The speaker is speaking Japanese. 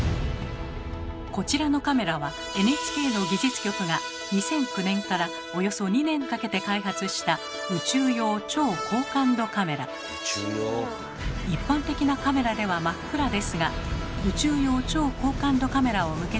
こちらのカメラはＮＨＫの技術局が２００９年からおよそ２年かけて開発した一般的なカメラでは真っ暗ですが宇宙用超高感度カメラを向けてみると。